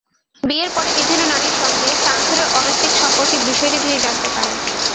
বিয়ের পরে বিভিন্ন নারীর সঙ্গে শামছুরের অনৈতিক সম্পর্কের বিষয়টি তিনি জানতে পারেন।